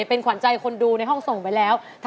เป็นขวัญใจคนดูในห้องส่งไปแล้ว